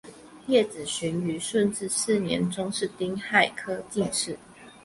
叶子循于顺治四年中式丁亥科进士。